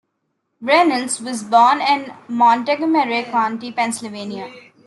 Reynolds was born in Montgomery County, Pennsylvania.